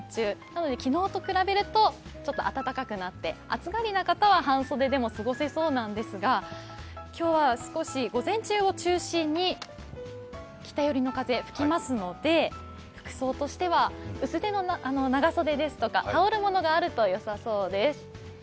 昨日と比べるとちょっと暖かくなって暑がりな方は半袖でも過ごせそうなんですが今日は少し、午前中を中心に北寄りの風、吹きますので服装としては薄手の長袖ですとか羽織るものがあるとよさそうです。